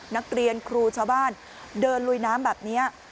นักเรียนครูชาวบ้านเดินลุยน้ำแบบนี้